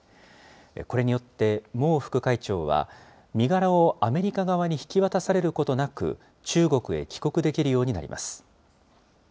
これによって、孟副会長は、身柄をアメリカ側に引き渡されることなく、中国へ帰国できるようになります。